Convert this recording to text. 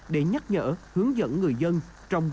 để nhắc nhở hướng dẫn